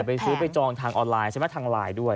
ไปซื้อไปจองทางออนไลน์ใช่ไหมทางไลน์ด้วย